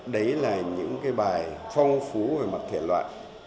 đấy là những cái bài phong phú về mặt thể loại